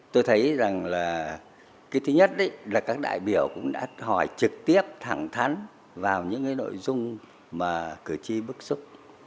tôi thấy rằng là cái thứ nhất là các đại biểu cũng đã hỏi trực tiếp thẳng thắn vào những cái nội dung mà cử tri bức xúc